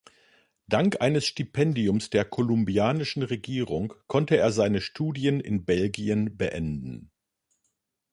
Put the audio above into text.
Dank eines Stipendiums der kolumbianischen Regierung konnte er seine Studien in Belgien beenden.